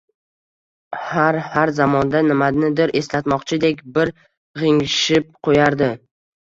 Har har zamonda nimanidir eslatmoqchidek bir g`ingshib qo`yardi